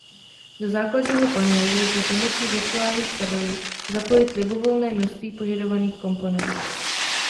Do základního panelu lze pomocí virtuálních kabelů zapojit libovolné množství požadovaných komponent.